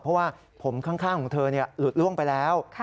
เพราะว่าผมข้างของเธอหลุดล่วงไปแล้ว